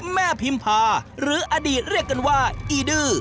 พิมพาหรืออดีตเรียกกันว่าอีดื้อ